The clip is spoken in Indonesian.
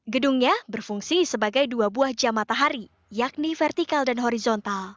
gedungnya berfungsi sebagai dua buah jam matahari yakni vertikal dan horizontal